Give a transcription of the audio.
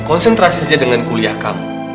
konsentrasi saja dengan kuliah kamu